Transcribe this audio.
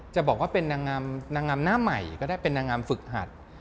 จะบอกว่าเป็นนางงามหน้าใหม่ก็ได้เป็นนางงามฝึกหัด